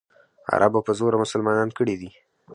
عربو په زوره مسلمانان کړي دي.